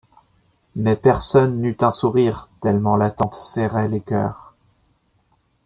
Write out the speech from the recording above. Mais personne n’eut un sourire, tellement l’attente serrait les cœurs.